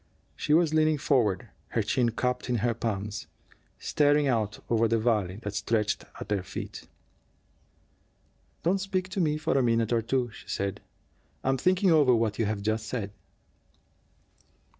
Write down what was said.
She was leaning forward, her chin cupped in her palms, staring out over the valley that stretched at their feet. "Don't speak to me for a minute or two," she said. "I'm thinking over what you have just said."